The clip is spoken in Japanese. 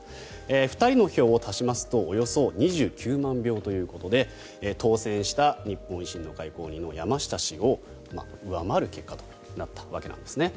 ２人の票を足しますとおよそ２９万票ということで当選した日本維新の会公認の山下氏を上回る結果となったわけなんですね。